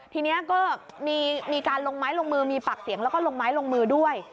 ทีนี้ก็มีการลงมือลงไม้ลงมือการปักเสียงลงมือด้วย